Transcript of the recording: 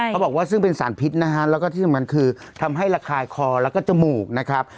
บอกว่าซึ่งเป็นสารพิษนะฮะแล้วก็ที่สำคัญคือทำให้ระคายคอแล้วก็จมูกนะครับ